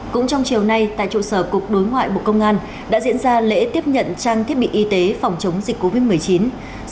cũng trong chiều nay tại trụ sở cục đối ngoại bộ công an đã diễn ra lễ tiếp nhận trang thiết bị y tế phòng chống dịch covid một mươi chín